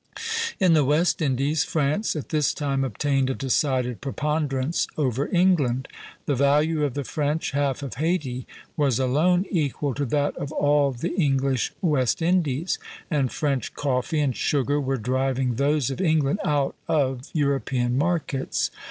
In the West Indies, France at this time obtained a decided preponderance over England; the value of the French half of Hayti was alone equal to that of all the English West Indies, and French coffee and sugar were driving those of England out of European markets.